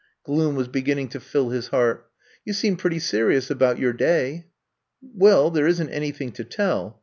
Gloom was beginning to fill his heart. You seemed pretty serious about your day.'* Well, there is n 't anything to tell.